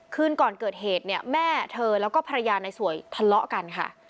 คืนก่อนเกิดเหตุเนี่ยแม่เธอแล้วก็ภรรยาในสวยทะเลาะกันค่ะ